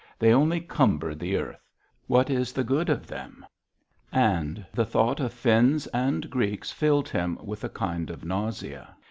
They only cumber the earth. What is the good of them?" And the thought of Finns and Greeks filled him with a kind of nausea.